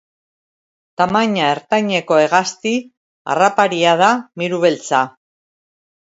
Tamaina ertaineko hegazti harraparia da miru beltza.